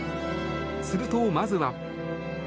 すると、まずは。